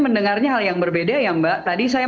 mendengarnya hal yang berbeda ya mbak tadi saya